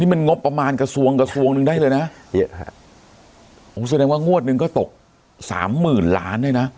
นี่มันงบประมาณกระทรวงกระทรวงหนึ่งได้เลยนะเยอะครับผมสินใจว่างว่างวัดหนึ่งก็ตกสามหมื่นล้านได้นะ